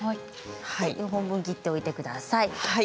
４本分切っておいてください。